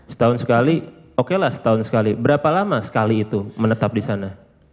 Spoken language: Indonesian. setahun sekali okelah setahun sekali berapa lama sekali itu menetap di sana